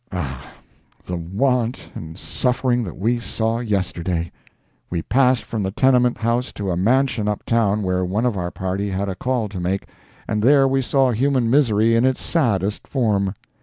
Ah, the want and suffering that we saw yesterday! We passed from the tenement house to a mansion up town where one of our party had a call to make, and there we saw human misery in its saddest form.